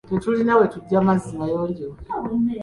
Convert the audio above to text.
Tetulina we tuggya mazzi mayonjo.